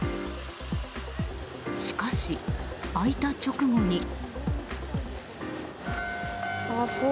しかし、開いた直後に。